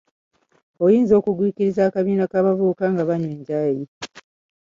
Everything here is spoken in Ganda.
Oyinza okugwikiriza akabiina k'abavubuka nga banywa enjaaye.